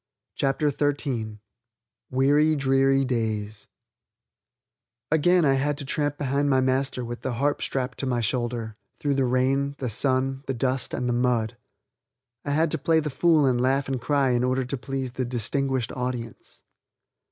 CHAPTER XIII WEARY DREARY DAYS Again I had to tramp behind my master with the harp strapped to my shoulder, through the rain, the sun, the dust, and the mud. I had to play the fool and laugh and cry in order to please the "distinguished audience."